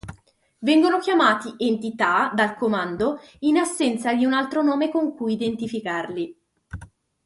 Vengono chiamati "entità" dal Comando in assenza di un altro nome con cui identificarli.